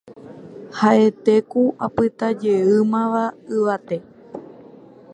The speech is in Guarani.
ha'ete ku apytajeýmava yvate